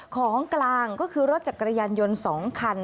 ของกลางก็คือรถจักรยานยนต์๒คัน